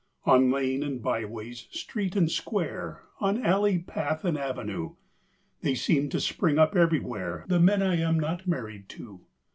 On lane and byways, street and square, On alley, path and avenue, They seem to spring up everywhere The men I am not married to.